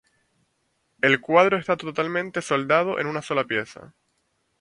El cuadro está totalmente soldado en una sola pieza.